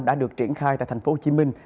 đã được triển khai tại thành phố hồ chí minh